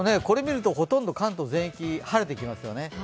これを見るとほとんど関東全域、晴れてきますよね。